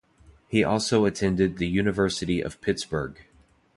He also attended the University of Pittsburgh.